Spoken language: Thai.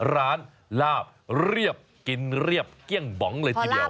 ลาบเรียบกินเรียบเกี้ยงบองเลยทีเดียว